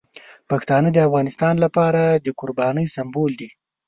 پښتانه د افغانستان لپاره د قربانۍ سمبول دي.